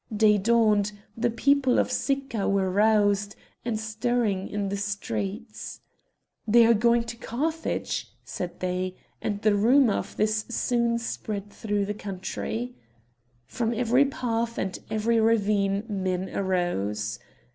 Day dawned; the people of Sicca were roused, and stirring in the streets. "They are going to Carthage," said they, and the rumour of this soon spread through the country. From every path and every ravine men arose.